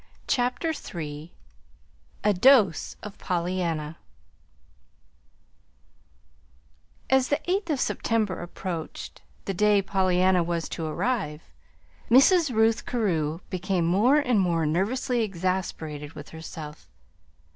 CHAPTER III A DOSE OF POLLYANNA As the eighth of September approached the day Pollyanna was to arrive Mrs. Ruth Carew became more and more nervously exasperated with herself.